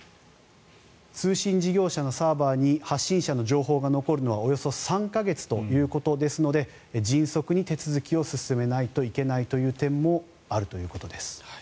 通信事業者のサーバーに発信者の情報が残るのはおよそ３か月ということですので迅速に手続きを進めないといけないという点もあるということです。